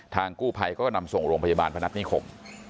กู้ภัยก็นำส่งโรงพยาบาลพนัฐนิคม